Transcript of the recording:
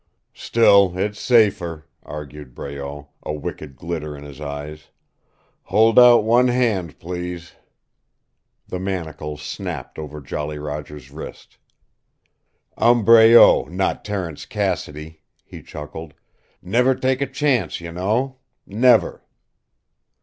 "Still it's safer," argued Breault, a wicked glitter in his eyes. "Hold out one hand, please " The manacle snapped over Jolly Roger's wrist. "I'm Breault not Terence Cassidy," he chuckled. "Never take a chance, you know. Never!"